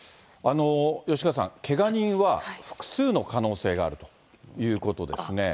吉川さん、けが人は複数の可能性があるということですね。